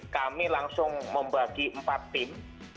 kami langsung membagi empat tim